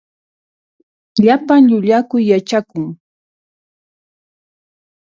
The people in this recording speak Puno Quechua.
Llapan llullakuy yachakun.